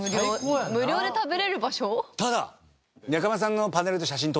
ただ。